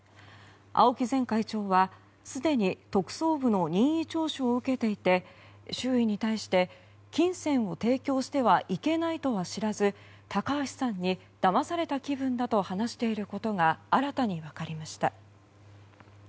青木前会長はすでに特捜部の任意聴取を受けていて周囲に対して、金銭を提供してはいけないとは知らず高橋さんにだまされた気分だと話していることが新たに分かりました。